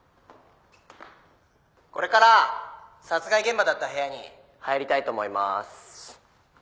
これから殺害現場だった部屋に入りたいと思います。